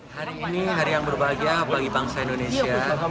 hari ini hari yang berbahagia bagi bangsa indonesia